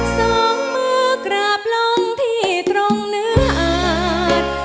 สองมือกราบลงที่ตรงเนื้อหาด